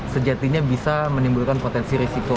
sejatinya bisa menimbulkan potensi risiko